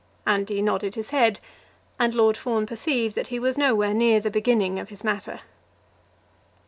Andy nodded his head, and Lord Fawn perceived that he was nowhere near the beginning of his matter.